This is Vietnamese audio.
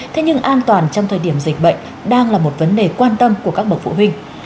thế nhưng an toàn trong thời điểm dịch bệnh đang là một vấn đề quan tâm của các bậc phụ huynh